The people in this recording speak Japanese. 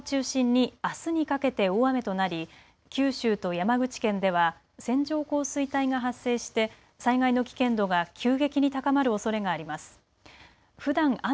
日本海側を中心にあすにかけて大雨となり九州と山口県では線状降水帯が発生して災害の危険度が急激に高まるおそれがあります。